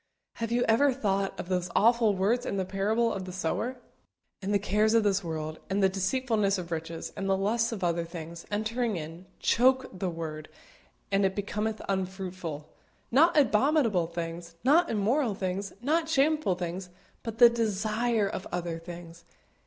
Have you ever thought of those awful words in the parable of the sower? "And the cares of this world, and the deceitfulness of riches, and the lusts of other things, entering in, choke the word, and it becometh unfruitful," not abominable things, not immoral things, not shameful things, but the desire of other things.